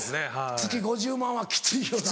月５０万円はきついよな。